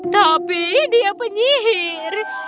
tapi dia penyihir